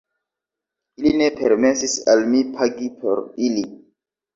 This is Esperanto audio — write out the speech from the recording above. Ili ne permesis al mi pagi por ili.